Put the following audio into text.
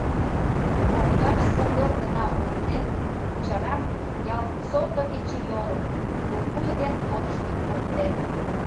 Коҥгаш содор гына олтен, чырам, ялт сото кечыйолым, пулвуй ден тодыштын оптен.